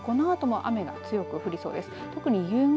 このあとも雨が強く降りそうです。